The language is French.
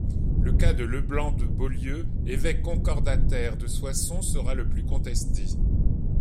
Le cas de Leblanc de Beaulieu, évêque concordataire de Soissons, sera le plus contesté.